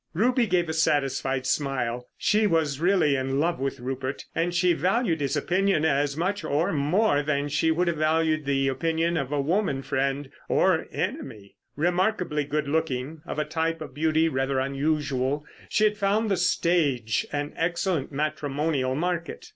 Ruby gave a satisfied smile. She was really in love with Rupert, and she valued his opinion as much or more than she would have valued the opinion of a woman friend—or enemy. Remarkably good looking, of a type of beauty rather unusual, she had found the stage an excellent matrimonial market.